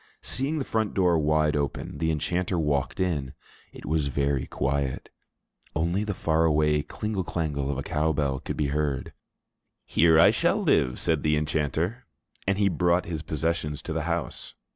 Seeing the front door wide open, the enchanter walked in. It was very quiet. Only the far away klingle klangle of a cow bell could be heard. "Here shall I live," said the enchanter. And he brought his possessions to the house.